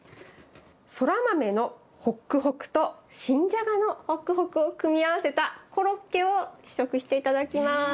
ソラマメのホックホクと新ジャガのホックホクを組み合わせたコロッケを試食して頂きます。